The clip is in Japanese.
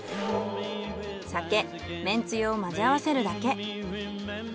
酒めんつゆを混ぜ合わせるだけ。